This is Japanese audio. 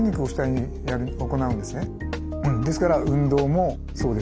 ですから運動もそうです。